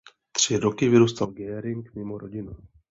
Tři roky vyrůstal Göring mimo rodinu.